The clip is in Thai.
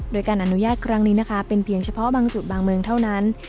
โดยการอนุญาตครั้งนี้นะคะเป็นเพียงเฉพาะบางจุดบางเมืองเท่านั้น